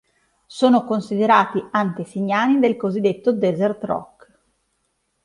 Sono considerati antesignani del cosiddetto desert rock.